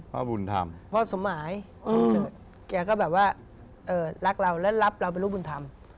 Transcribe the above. พ่อบุญธรรมพ่อสมหมายแกก็แบบว่ารักเราและรับเราเป็นลูกบุญธรรม